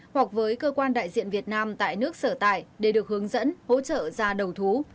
hoặc với cơ quan đại diện việt nam tại nước sở tại để được hướng dẫn hỗ trợ ra đầu thú